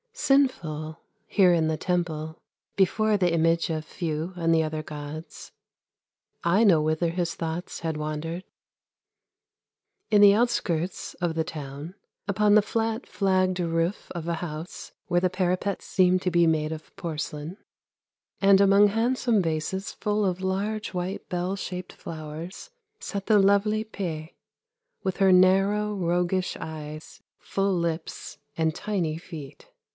Sinful, here in the Temple, before the image of Fu and the other gods. I know whither his thoughts had wandered. 258 ANDERSEN'S FAIRY TALES " In the outskirts of the town, upon the flat flagged roof of a house where the parapet seemed to be made of porcelain, and among handsome vases full of large white bell shaped flowers, sat the lovely Pe, with her narrow roguish eyes, full lips, and tiny feet.